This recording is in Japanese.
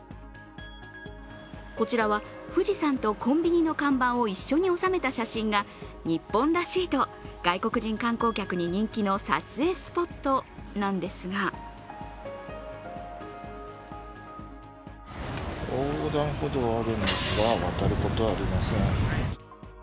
こちらは富士山とコンビニの看板を一緒に収めた写真が日本らしいと外国人観光客に人気の撮影スポットなんですが横断歩道はあるんですが、渡ることはありません。